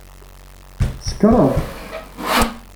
Tsekṛeḍ?